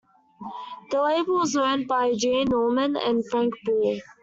The label was owned by Gene Norman and Frank Bull.